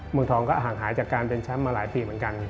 เมืองทองก็ห่างหายจากการเป็นแชมป์มาหลายปีเหมือนกัน